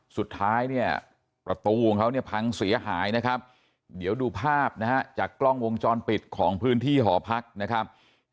สุดท้ายเนี่ยประตูของเขาเนี่ยพังเสียหายนะครับเดี๋ยวดูภาพนะฮะจากกล้องวงจรปิดของพื้นที่หอพักนะครับ